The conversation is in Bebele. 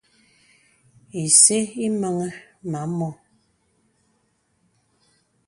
Ìsə̄ ìməŋì mə à mɔ.